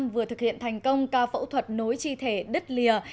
vừa thực hiện thành công ca phẫu thuật nối chi thể đứt lìa